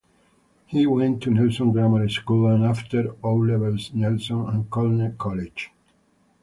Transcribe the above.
He went to Nelson Grammar School and, after O levels, Nelson and Colne College.